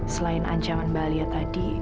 selain ancaman bahagia tadi